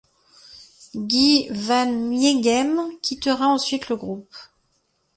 Guy Van Mieghem quittera ensuite le groupe.